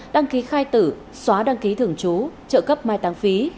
đăng ký khai tử xóa đăng ký thưởng chú trợ cấp mai tăng phí